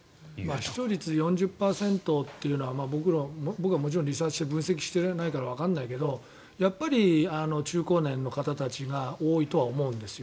視聴率４０％というのは僕はもちろん、リサーチして分析してないからわからないけどやっぱり中高年の方たちが多いとは思うんですよ。